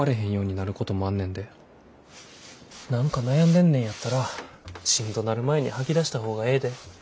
何か悩んでんねんやったらしんどなる前に吐き出した方がええで。